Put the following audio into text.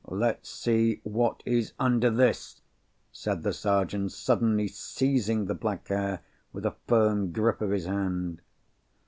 "Let's see what is under this," said the Sergeant, suddenly seizing the black hair, with a firm grip of his hand.